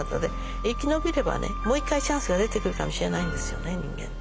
生き延びればねもう一回チャンスが出てくるかもしれないんですよね人間って。